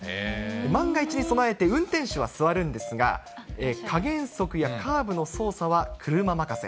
万が一に備えて、運転手は座るんですが、加減速やカーブの操作は、車任せ。